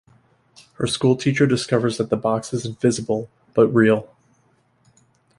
Her school teacher discovers that the box is invisible, but real.